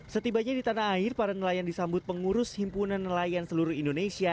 setibanya di tanah air para nelayan disambut pengurus himpunan nelayan seluruh indonesia